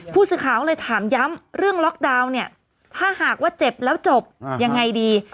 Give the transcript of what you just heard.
ผู้สื่อข่าวเลยถามย้ำเรื่องล็อกดาวน์เนี่ยถ้าหากว่าเจ็บแล้วจบยังไงดี